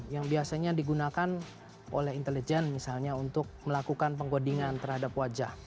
yang biasanya digunakan oleh intelijen misalnya untuk melakukan penggodingan terhadap wajah